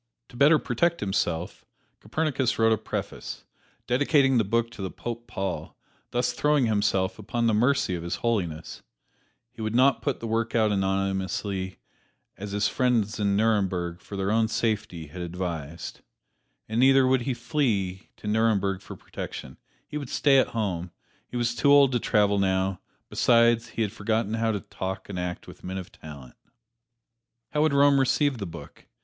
To better protect himself, Copernicus wrote a preface, dedicating the book to the Pope Paul, thus throwing himself upon the mercy of His Holiness. He would not put the work out anonymously, as his friends in Nuremberg, for his own safety, had advised. And neither would he flee to Nuremberg for protection; he would stay at home he was too old to travel now besides, he had forgotten how to talk and act with men of talent. How would Rome receive the book?